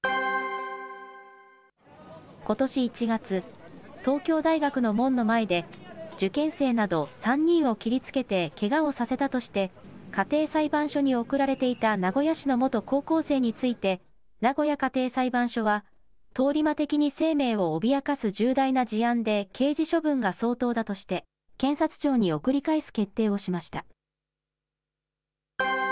ことし１月、東京大学の門の前で、受験生など３人を切りつけてけがをさせたとして、家庭裁判所に送られていた名古屋市の元高校生について、名古屋家庭裁判所は、通り魔的に生命を脅かす重大な事案で、刑事処分が相当だとして、検察庁に送り返す決定をしました。